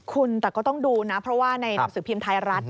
คุณแต่ก็ต้องดูนะเพราะว่าในสถิติภิมศ์ไทยรัฐ